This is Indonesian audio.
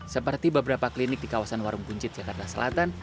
seperti beberapa klinik di kawasan warung buncit jakarta selatan